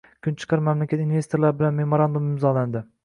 Kunchiqar mamlakat investorlari bilan memorandum imzolanding